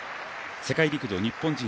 世界陸上日本人